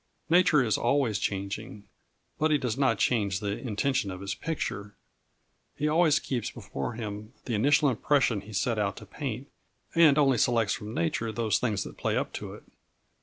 Nature is always changing, but he does not change the intention of his picture. He always keeps before him the initial impression he sets out to paint, and only selects from nature those things that play up to it.